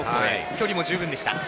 距離も十分でした。